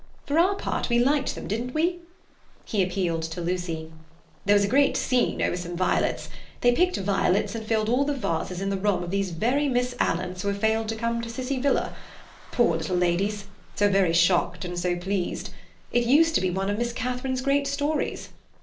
For our part we liked them, didn't we?" He appealed to Lucy. "There was a great scene over some violets. They picked violets and filled all the vases in the room of these very Miss Alans who have failed to come to Cissie Villa. Poor little ladies! So shocked and so pleased. It used to be one of Miss Catharine's great stories.